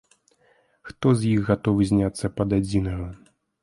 Хто з іх гатовы зняцца пад адзінага?